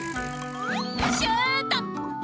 シュート！